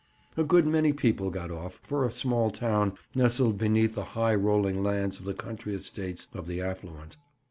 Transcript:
A good many people got off, for a small town nestled beneath the high rolling lands of the country estates of the affluent.